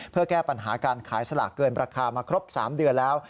เพื่อแก้ปัญหาการขายสลากเกินราคามาครบ๓เดือนแล้ว